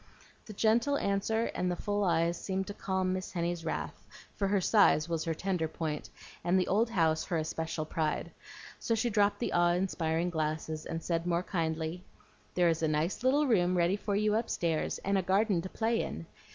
The gentle answer and the full eyes seemed to calm Miss Henny's wrath, for her size was her tender point, and the old house her especial pride; so she dropped the awe inspiring glasses, and said more kindly, "There is a nice little room ready for you upstairs, and a garden to play in.